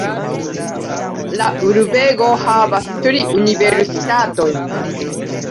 La urbego havas tri universitatojn.